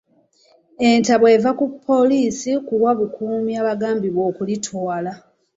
Entabwe eva ku poliisi kuwa bukuumi abagambibwa okulitwala